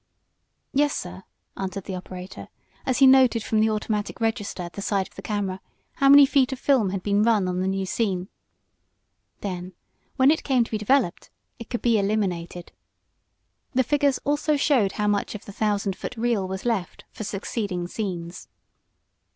"Yes, sir," answered the operator, as he noted from the automatic register at the side of the camera how many feet of film had been run on the new scene. Then, when it came to be developed, it could be eliminated. The figures also showed how much of the thousand foot reel was left for succeeding scenes.